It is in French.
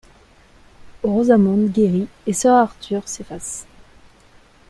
Rosamond guérit et Sir Arthur s'efface.